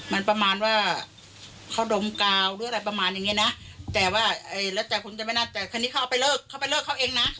มันประมาณว่าเขาดมกาวหรืออะไรประมาณอย่างนี้นะ